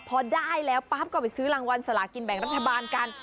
พอได้แล้วปั๊บก็ไปซื้อรางวัลสลากินแบ่งรัฐบาลกัน